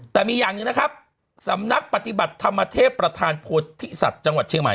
แต่มีอย่างหนึ่งนะครับสำนักปฏิบัติธรรมเทพประธานโพธิสัตว์จังหวัดเชียงใหม่